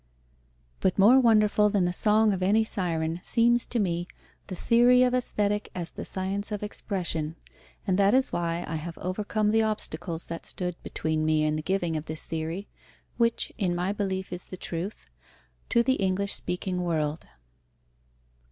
But more wonderful than the song of any Syren seems to me the Theory of Aesthetic as the Science of Expression, and that is why I have overcome the obstacles that stood between me and the giving of this theory, which in my belief is the truth, to the English speaking world.